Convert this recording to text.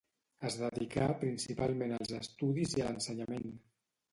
Es dedicà principalment als estudis i a l'ensenyament.